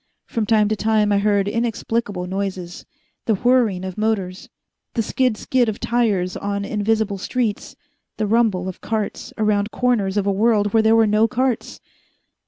From time to time I heard inexplicable noises the whirring of motors, the skid skid of tires on invisible streets, the rumble of carts around corners of a world where there were no carts.